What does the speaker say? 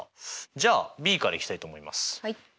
じゃあＢからいきたいと思います。